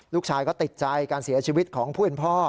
ลูกชายก็ติดใจการเสียชีวิตของผู้เป็นพ่อ